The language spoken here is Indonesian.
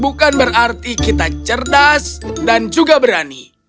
bukan berarti kita cerdas dan juga berani